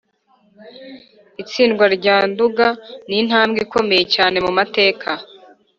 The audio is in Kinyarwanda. - itsindwa rya nduga ni intambwe ikomeye cyane mu mateka